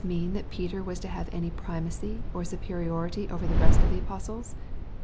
Peter was to have any primacy or superiority over the rest of the apostles ?